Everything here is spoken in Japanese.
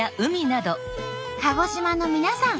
鹿児島の皆さん